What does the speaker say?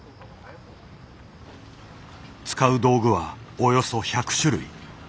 使う道具はおよそ１００種類。